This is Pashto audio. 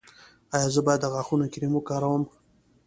ایا زه باید د غاښونو کریم وکاروم؟